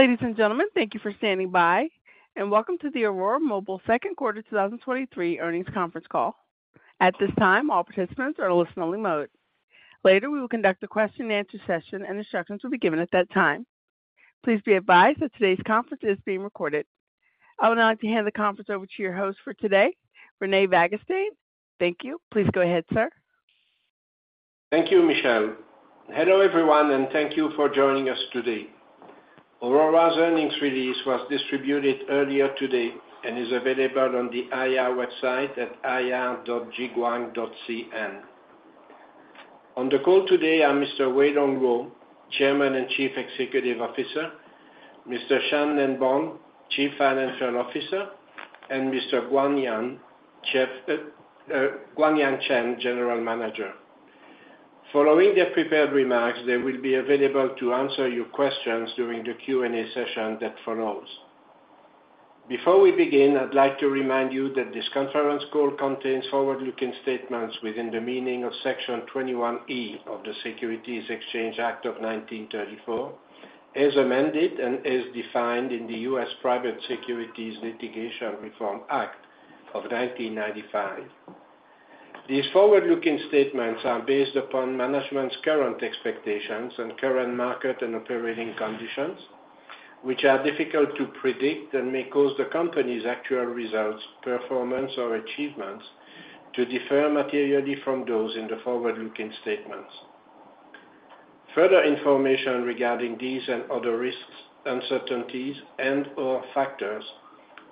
Ladies and gentlemen, thank you for standing by, and welcome to the Aurora Mobile Q2 2023 Earnings Conference Call. At this time, all participants are in listen-only mode. Later, we will conduct a question-and-answer session, and instructions will be given at that time. Please be advised that today's conference is being recorded. I would now like to hand the conference over to your host for today, René Vanguestaine. Thank you. Please go ahead, sir. Thank you, Michelle. Hello, everyone, and thank you for joining us today. Aurora's earnings release was distributed earlier today and is available on the IR website at ir.jiguang.cn. On the call today are Mr. Weidong Luo, Chairman and Chief Executive Officer, Mr. Shan-Nen Bong, Chief Financial Officer, and Mr. Guangyan Chen, General Manager. Following their prepared remarks, they will be available to answer your questions during the Q&A session that follows. Before we begin, I'd like to remind you that this conference call contains forward-looking statements within the meaning of Section 21E of the Securities Exchange Act of 1934, as amended and as defined in the U.S. Private Securities Litigation Reform Act of 1995. These forward-looking statements are based upon management's current expectations and current market and operating conditions, which are difficult to predict and may cause the company's actual results, performance, or achievements to differ materially from those in the forward-looking statements. Further information regarding these and other risks, uncertainties, and/or factors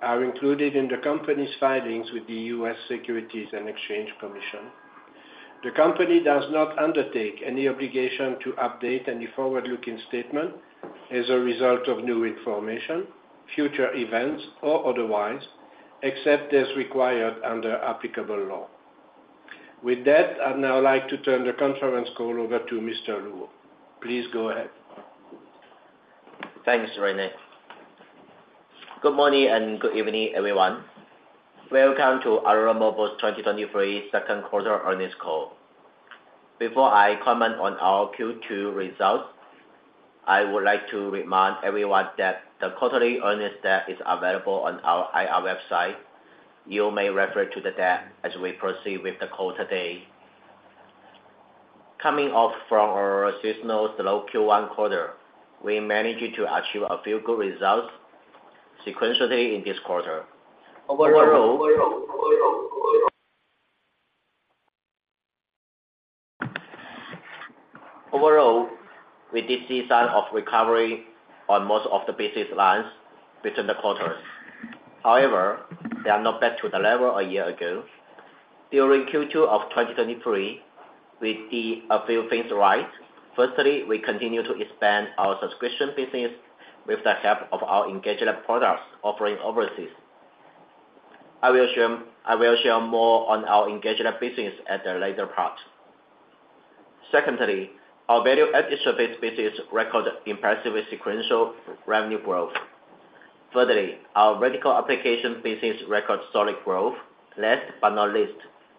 are included in the company's filings with the U.S. Securities and Exchange Commission. The company does not undertake any obligation to update any forward-looking statement as a result of new information, future events, or otherwise, except as required under applicable law. With that, I'd now like to turn the conference call over to Mr. Luo. Please go ahead. Thanks, Rene. Good morning and good evening, everyone. Welcome to Aurora Mobile's 2023 Q2 earnings call. Before I comment on our Q2 results, I would like to remind everyone that the quarterly earnings deck is available on our IR website. You may refer to the deck as we proceed with the call today. Coming off from our seasonal slow Q1 quarter, we managed to achieve a few good results sequentially in this quarter. Overall, overall, we did see signs of recovery on most of the business lines between the quarters. However, they are not back to the level a year ago. During Q2 of 2023, we did a few things right. Firstly, we continued to expand our subscription business with the help of our engagement products offering overseas. I will share, I will share more on our engagement business at a later part. Secondly, our value-added services business recorded impressive sequential revenue growth. Thirdly, our vertical application business recorded solid growth. Last but not least,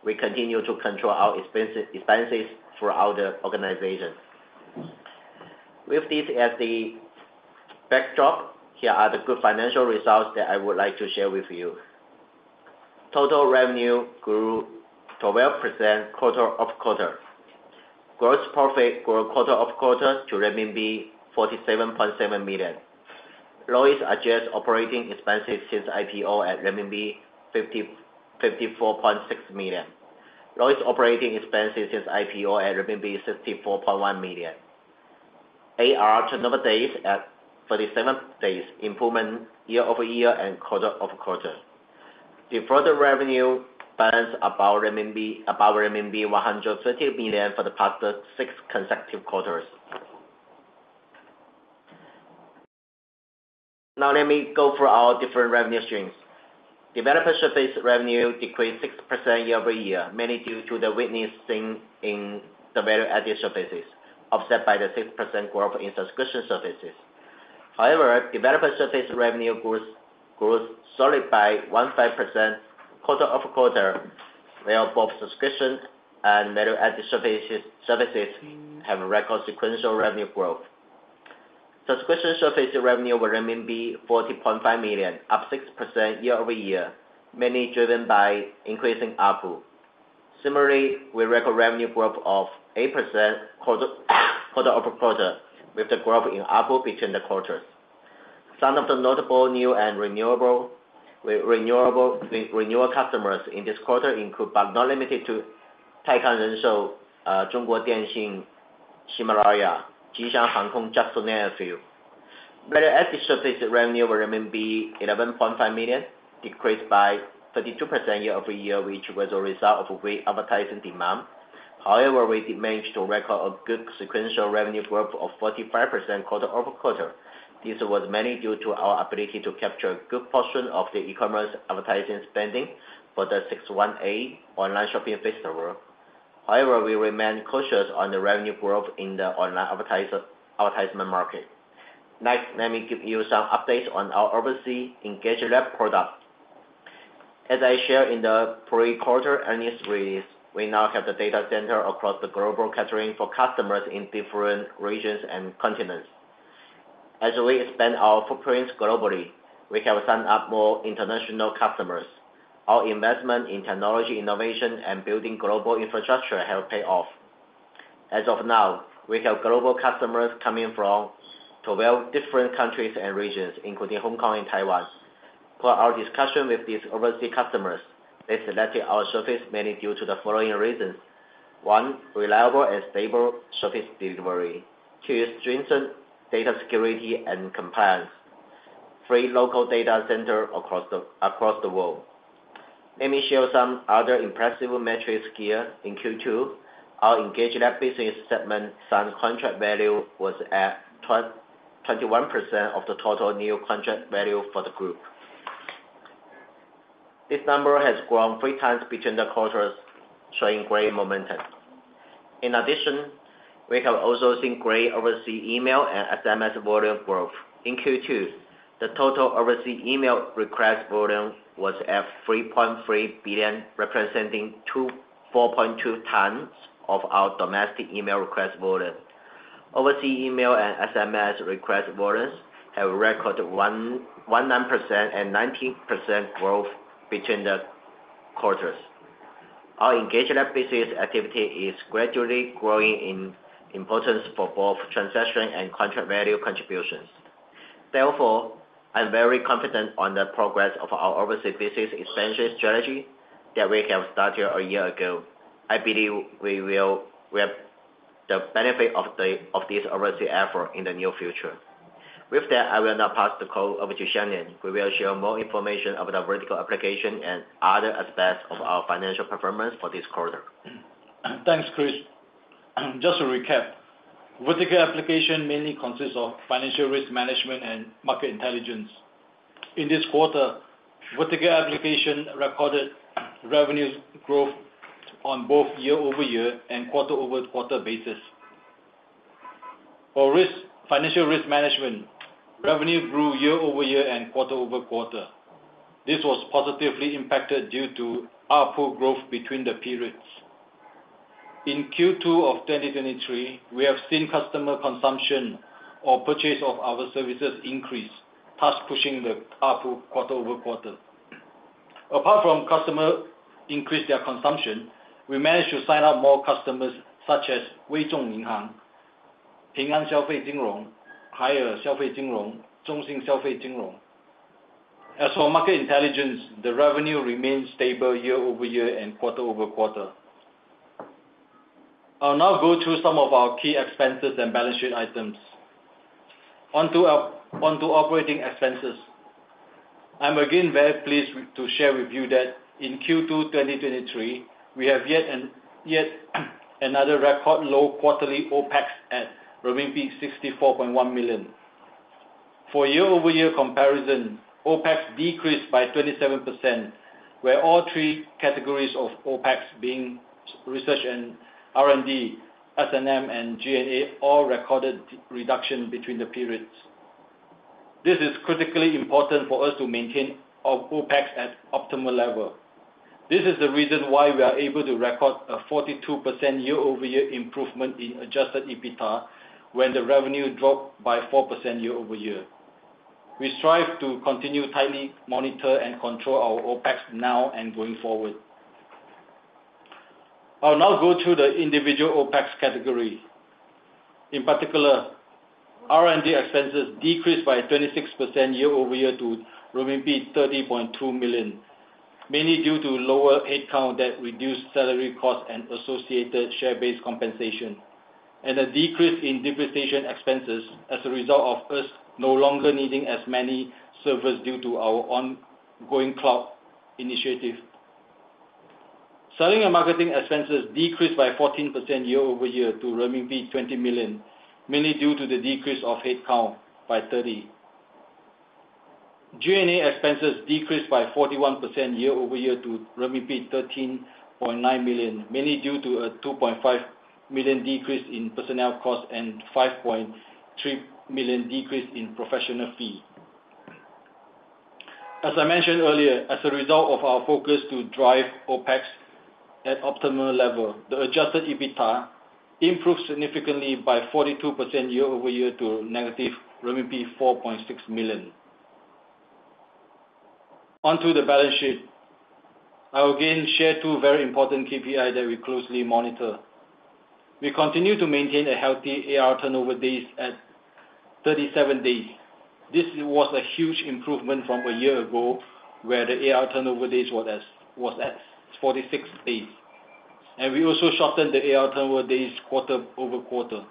we continue to control our expenses throughout the organization. With this as the backdrop, here are the good financial results that I would like to share with you. Total revenue grew 12% quarter-over-quarter. Gross profit grew quarter-over-quarter to renminbi 47.7 million. Lowest adjusted operating expenses since IPO at RMB 54.6 million. Lowest operating expenses since IPO at RMB 64.1 million. AR Turnover Days at 37 days, improvement year-over-year and quarter-over-quarter. Deferred revenue balance above RMB 130 million for the past 6 consecutive quarters. Now, let me go through our different revenue streams. Developer services revenue decreased 6% year-over-year, mainly due to the weakness seen in the value-added services, offset by the 6% growth in subscription services. However, developer services revenue grows solidly by 15% quarter-over-quarter, where both subscription and value-added services have record sequential revenue growth. Subscription services revenue were 40.5 million, up 6% year-over-year, mainly driven by increasing ARPU. Similarly, we record revenue growth of 8% quarter-over-quarter, with the growth in ARPU between the quarters. Some of the notable new and renewal customers in this quarter include, but not limited to, Taikang Life Insurance, Zhongguo Dianxin, Himalaya, Juneyao Airlines, Just NetView. Value-added services revenue were 11.5 million, decreased by 32% year-over-year, which was a result of weak advertising demand. However, we did manage to record a good sequential revenue growth of 45% quarter-over-quarter. This was mainly due to our ability to capture a good portion of the e-commerce advertising spending for the 618 online shopping festival. However, we remain cautious on the revenue growth in the online advertisement market. Next, let me give you some updates on our overseas EngageLab product. As I shared in the previous quarter earnings release, we now have the data centers across the globe catering to customers in different regions and continents. As we expand our footprints globally, we have signed up more international customers. Our investment in technology innovation and building global infrastructure have paid off. As of now, we have global customers coming from 12 different countries and regions, including Hong Kong and Taiwan. For our discussion with these overseas customers, they selected our service mainly due to the following reasons. One, reliable and stable service delivery. Two, strengthened data security and compliance. Three, local data center across the world. Let me share some other impressive metrics here. In Q2, our EngageLab business segment signed contract value was at 21% of the total new contract value for the group. This number has grown three times between the quarters, showing great momentum. In addition, we have also seen great overseas email and SMS volume growth. In Q2, the total overseas email request volume was at 3.3 billion, representing 4.2 times of our domestic email request volume. Overseas email and SMS request volumes have recorded 119% and 19% growth between the quarters. Our EngageLab business activity is gradually growing in importance for both transaction and contract value contributions. Therefore, I'm very confident on the progress of our overseas business expansion strategy that we have started a year ago. I believe we will reap the benefit of this overseas effort in the near future. With that, I will now pass the call over to Shan-Nen, who will share more information about our vertical application and other aspects of our financial performance for this quarter. Thanks, for this. Just to recap, vertical application mainly consists of financial risk management and market intelligence. In this quarter, vertical application recorded revenue growth on both year-over-year and quarter-over-quarter basis. For financial risk management, revenue grew year-over-year and quarter-over-quarter. This was positively impacted due to ARPU growth between the periods. In Q2 of 2023, we have seen customer consumption or purchase of our services increase, thus pushing the ARPU quarter over quarter. Apart from customers increasing their consumption, we managed to sign up more customers, such as WeBank, Ping An Consumer Finance, Haier Consumer Finance, Zhongxin Consumer Finance. As for market intelligence, the revenue remains stable year-over-year and quarter-over-quarter. I'll now go through some of our key expenses and balance sheet items. Onto our operating expenses. I'm again very pleased to share with you that in Q2 2023, we have yet another record low quarterly OpEx at RMB 64.1 million. For year-over-year comparison, OpEx decreased by 27%, where all three categories of OpEx being research and R&D, S&M, and G&A all recorded reduction between the periods. This is critically important for us to maintain our OpEx at optimal level. This is the reason why we are able to record a 42% year-over-year improvement in adjusted EBITDA, when the revenue dropped by 4% year-over-year. We strive to continue tightly monitor and control our OpEx now and going forward. I'll now go through the individual OpEx category. In particular, R&D expenses decreased by 26% year-over-year to 30.2 million, mainly due to lower headcount that reduced salary costs and associated share-based compensation, and a decrease in depreciation expenses as a result of us no longer needing as many servers due to our ongoing cloud initiative. Selling and marketing expenses decreased by 14% year-over-year to renminbi 20 million, mainly due to the decrease of headcount by 30. G&A expenses decreased by 41% year-over-year to RMB 13.9 million, mainly due to a 2.5 million decrease in personnel costs and 5.3 million decrease in professional fee. As I mentioned earlier, as a result of our focus to drive OpEx at optimal level, the Adjusted EBITDA improved significantly by 42% year-over-year to negative RMB 4.6 million. On to the balance sheet. I will again share 2 very important KPI that we closely monitor. We continue to maintain a healthy AR turnover days at 37 days. This was a huge improvement from a year ago, where the AR turnover days was at 46 days, and we also shortened the AR turnover days quarter-over-quarter.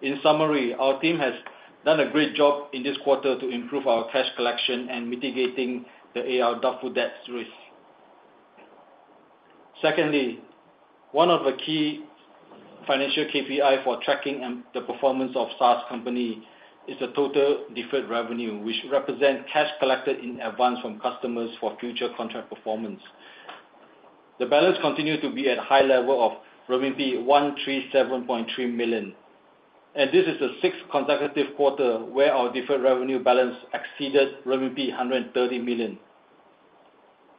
In summary, our team has done a great job in this quarter to improve our cash collection and mitigating the AR doubtful debts risk. Secondly, one of the key financial KPI for tracking and the performance of SaaS company is the total deferred revenue, which represent cash collected in advance from customers for future contract performance. The balance continued to be at high level of RMB 137.3 million, and this is the sixth consecutive quarter where our deferred revenue balance exceeded RMB 130 million.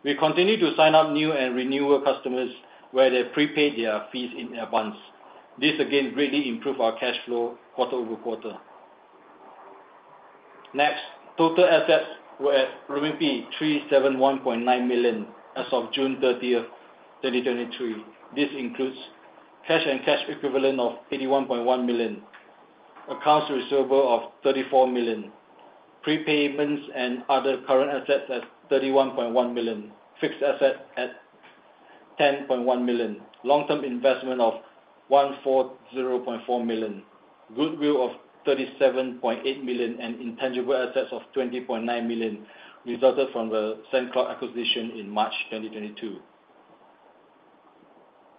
We continue to sign up new and renewal customers, where they prepaid their fees in advance. This again, greatly improved our cash flow quarter-over-quarter. Next, total assets were at RMB 371.9 million as of June 30, 2023. This includes cash and cash equivalent of 81.1 million, accounts receivable of 34 million, prepayments and other current assets at 31.1 million, fixed assets at 10.1 million, long-term investment of 140.4 million, goodwill of 37.8 million, and intangible assets of 20.9 million, resulted from the SendCloud acquisition in March 2022.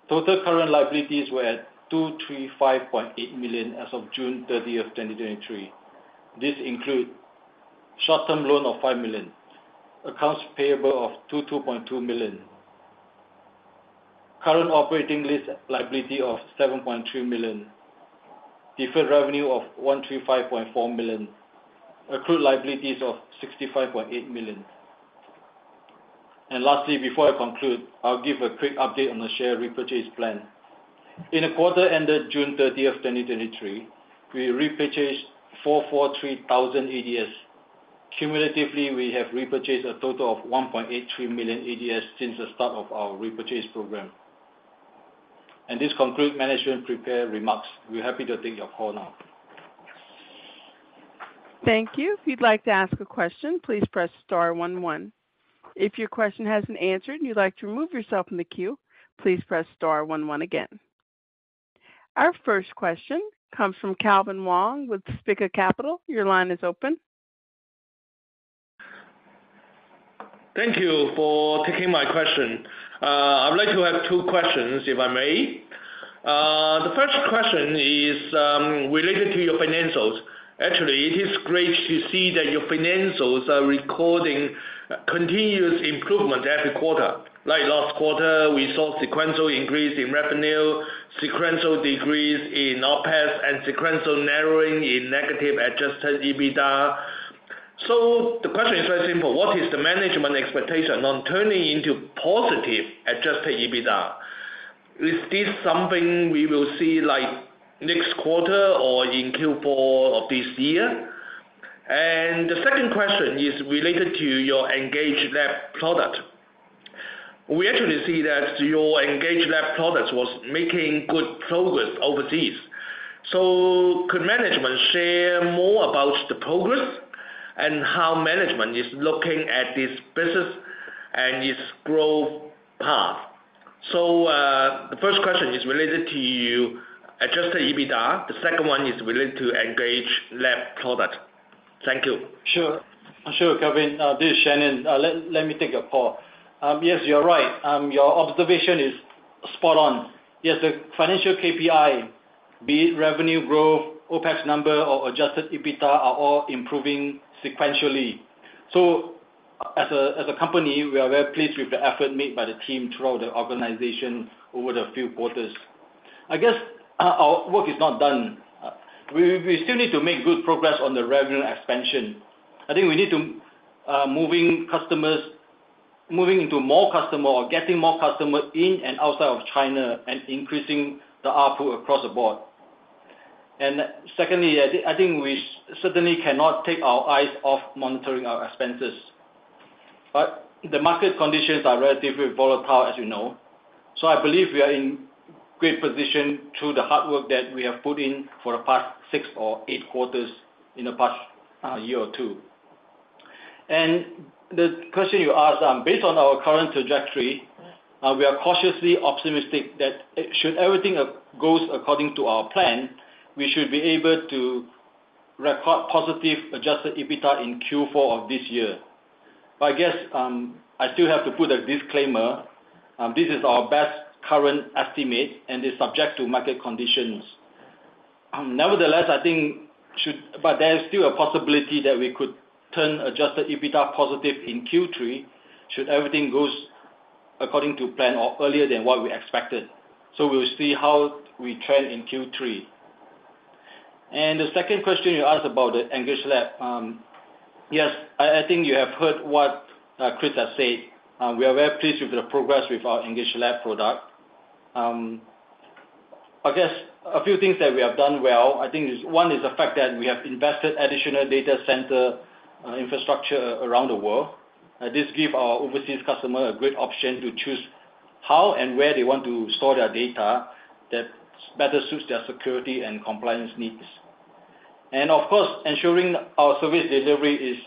Total current liabilities were at 235.8 million as of June 30, 2023. This includes short-term loan of 5 million, accounts payable of 22.2 million, current operating lease liability of 7.2 million, deferred revenue of 135.4 million, accrued liabilities of 65.8 million. Lastly, before I conclude, I'll give a quick update on the share repurchase plan. In the quarter ended June thirtieth, 2023, we repurchased 443 thousand ADS. Cumulatively, we have repurchased a total of 1.83 million ADS since the start of our repurchase program. This concludes management prepared remarks. We're happy to take your call now. Thank you. If you'd like to ask a question, please press star one one. If your question has been answered, and you'd like to remove yourself from the queue, please press star one one again. Our first question comes from Calvin Wong with Spica Capital. Your line is open. Thank you for taking my question. I would like to have two questions, if I may. The first question is related to your financials. Actually, it is great to see that your financials are recording continuous improvement every quarter. Like last quarter, we saw sequential increase in revenue, sequential decrease in OpEx, and sequential narrowing in negative Adjusted EBITDA. So the question is very simple: What is the management expectation on turning into positive Adjusted EBITDA? Is this something we will see, like, next quarter or in Q4 of this year? And the second question is related to your EngageLab product. We actually see that your EngageLab product was making good progress overseas. So could management share more about the progress and how management is looking at this business and its growth path? So, the first question is related to your adjusted EBITDA. The second one is related to EngageLab product. Thank you. Sure. Sure, Calvin, this is Shan-Nen. Let me take your call. Yes, you're right. Your observation is spot on. Yes, the financial KPI, be it revenue growth, OpEx number, or Adjusted EBITDA, are all improving sequentially. So as a company, we are very pleased with the effort made by the team throughout the organization over the few quarters. I guess, our work is not done. We still need to make good progress on the revenue expansion. I think we need to move customers into more customers or get more customers in and outside of China, and increasing the output across the board. And secondly, I think we certainly cannot take our eyes off monitoring our expenses, but the market conditions are relatively volatile, as you know. So I believe we are in great position through the hard work that we have put in for the past six or eight quarters, in the past, year or two. The question you asked, based on our current trajectory, we are cautiously optimistic that, should everything goes according to our plan, we should be able to record positive Adjusted EBITDA in Q4 of this year. I guess, I still have to put a disclaimer, this is our best current estimate and is subject to market conditions. Nevertheless, I think should but there is still a possibility that we could turn Adjusted EBITDA positive in Q3, should everything goes according to plan or earlier than what we expected. So we'll see how we trend in Q3. The second question you asked about the EngageLab. Yes, I think you have heard what Chris has said. We are very pleased with the progress with our EngageLab product. I guess a few things that we have done well, I think is, one, is the fact that we have invested additional data center infrastructure around the world. This give our overseas customer a great option to choose how and where they want to store their data, that better suits their security and compliance needs. And of course, ensuring our service delivery is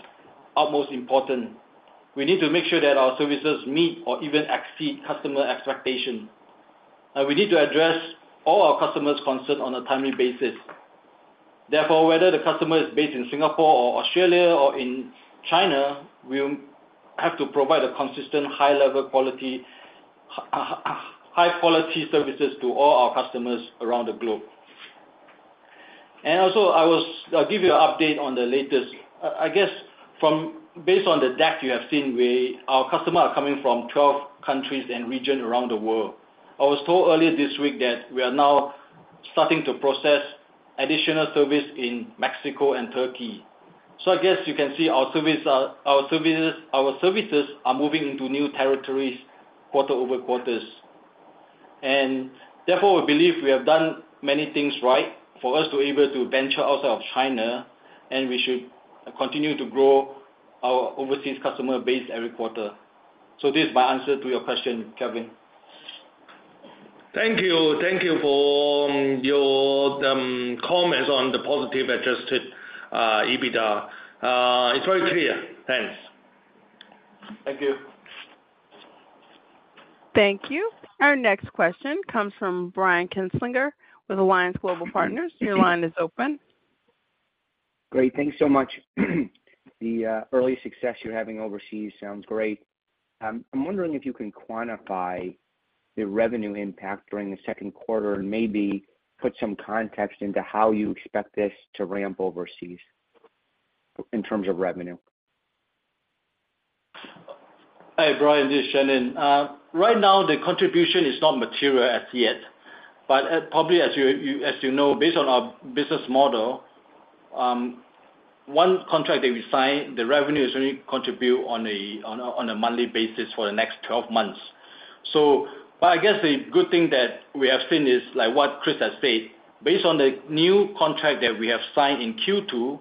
utmost important. We need to make sure that our services meet or even exceed customer expectation. We need to address all our customers' concern on a timely basis. Therefore, whether the customer is based in Singapore or Australia or in China, we'll have to provide a consistent, high level quality, high quality services to all our customers around the globe. And also, I was—I'll give you an update on the latest. I guess from, based on the deck you have seen, we—our customers are coming from 12 countries and regions around the world. I was told earlier this week that we are now starting to process additional service in Mexico and Turkey. So I guess you can see our service are, our services, our services are moving into new territories quarter-over-quarter. And therefore, we believe we have done many things right for us to be able to venture outside of China, and we should continue to grow our overseas customer base every quarter. This is my answer to your question, Calvin. Thank you. Thank you for your comments on the positive adjusted EBITDA. It's very clear. Thanks. Thank you. Thank you. Our next question comes from Brian Kinstlinger with Alliance Global Partners. Your line is open. Great. Thanks so much. The early success you're having overseas sounds great. I'm wondering if you can quantify the revenue impact during the Q2 and maybe put some context into how you expect this to ramp overseas, in terms of revenue? Hi, Brian, this is Shan-Nen. Right now, the contribution is not material as yet, but probably as you know, based on our business model, one contract that we sign, the revenue is only contribute on a monthly basis for the next 12 months. So but I guess the good thing that we have seen is, like what Chris has said, based on the new contract that we have signed in Q2,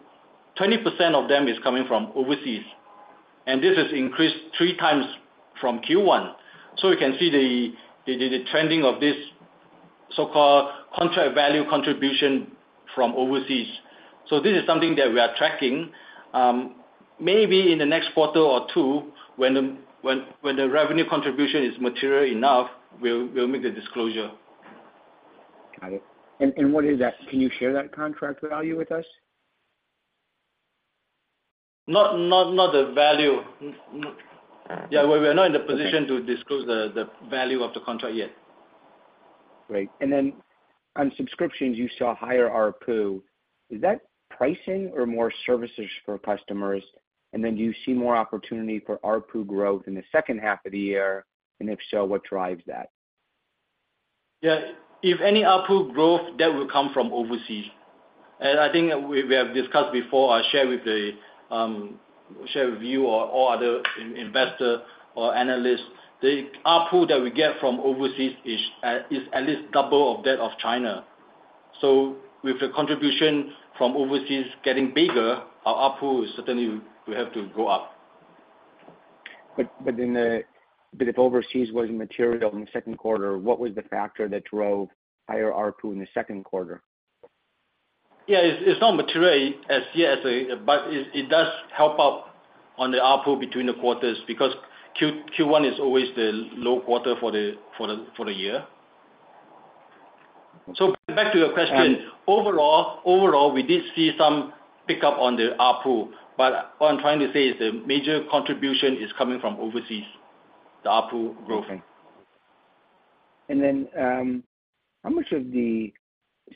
20% of them is coming from overseas, and this has increased 3 times from Q1. So we can see the trending of this so-called contract value contribution from overseas. So this is something that we are tracking. Maybe in the next quarter or 2, when the revenue contribution is material enough, we'll make the disclosure. Got it. And what is that? Can you share that contract value with us? Not the value. Not- All right. Yeah, we're not in the position- Okay to disclose the value of the contract yet. Great. And then on subscriptions, you saw higher ARPU. Is that pricing or more services for customers? And then do you see more opportunity for ARPU growth in the second half of the year? And if so, what drives that? Yeah, if any ARPU growth, that will come from overseas. And I think we have discussed before, I share with you or other investor or analyst, the ARPU that we get from overseas is at least double of that of China. So with the contribution from overseas getting bigger, our ARPU is certainly will have to go up. But if overseas wasn't material in the Q2, what was the factor that drove higher ARPU in the Q2? Yeah, it's not material as yet, but it does help out on the ARPU between the quarters because Q1 is always the low quarter for the year. Okay. Back to your question. Right. Overall, overall, we did see some pickup on the ARPU, but what I'm trying to say is the major contribution is coming from overseas, the ARPU growth. Okay. And then, how much of the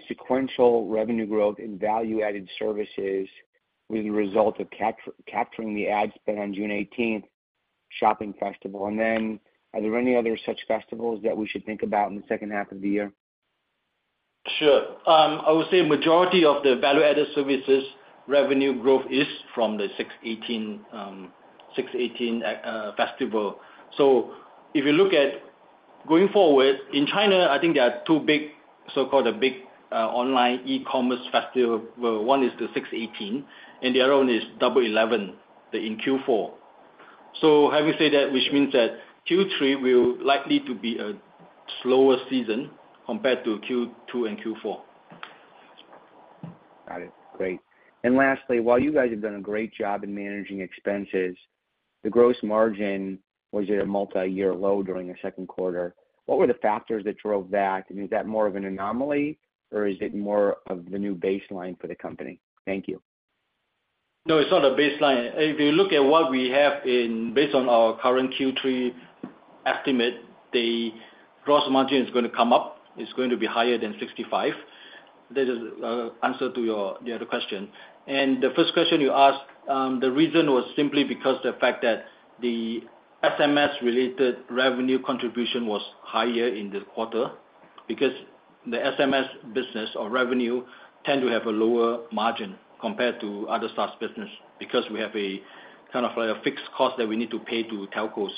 sequential revenue growth in value-added services was a result of capturing the ad spend on June eighteenth Shopping Festival? And then are there any other such festivals that we should think about in the second half of the year? Sure. I would say majority of the value-added services revenue growth is from the Six Eighteen festival. So if you look at going forward, in China, I think there are two big, so-called a big online e-commerce festival. One is the Six Eighteen, and the other one is Double 11, in Q4. So having said that, which means that Q3 will likely to be a slower season compared to Q2 and Q4. Got it. Great. And lastly, while you guys have done a great job in managing expenses, the gross margin was at a multi-year low during the Q2. What were the factors that drove that? And is that more of an anomaly, or is it more of the new baseline for the company? Thank you. No, it's not a baseline. If you look at what we have in, based on our current Q3 estimate, the gross margin is going to come up. It's going to be higher than 65%. This is answer to your, the other question. The first question you asked, the reason was simply because the fact that the SMS-related revenue contribution was higher in this quarter, because the SMS business or revenue tend to have a lower margin compared to other SaaS business, because we have a kind of like a fixed cost that we need to pay to telcos-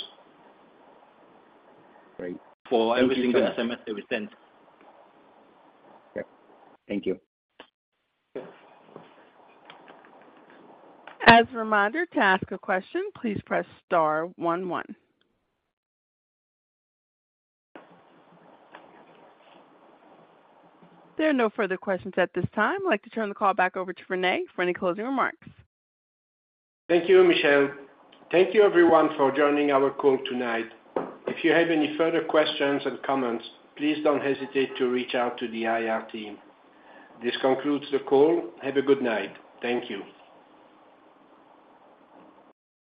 Great. Thank you, Shan-Nen. For every single SMS that we send. Yep. Thank you. Yep. As a reminder, to ask a question, please press star one, one. There are no further questions at this time. I'd like to turn the call back over to Rene for any closing remarks. Thank you, Michelle. Thank you, everyone, for joining our call tonight. If you have any further questions and comments, please don't hesitate to reach out to the IR team. This concludes the call. Have a good night. Thank you.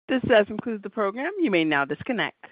This does conclude the program. You may now disconnect.